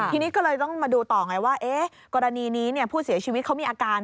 ทีนี้ก็เลยต้องมาดูต่อไงว่ากรณีนี้ผู้เสียชีวิตเขามีอาการ